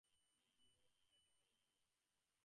যদিও আমার এটা ভালো লাগে।